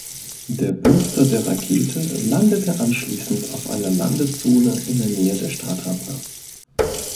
Der Booster der Rakete landete anschließend auf einer Landezone in der Nähe der Startrampe.